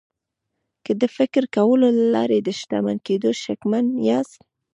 که د فکر کولو له لارې د شتمن کېدو شکمن یاست